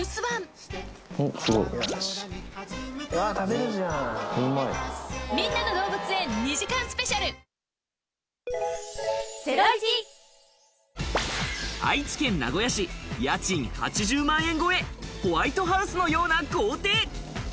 なので、こちらの邸宅って宮愛知県名古屋市家賃８０万円超え、ホワイトハウスのような豪邸。